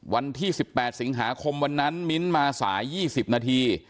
วันที่๑๘สิงหาคมวันนั้นมิ้นท์มาสาย๒๐นาที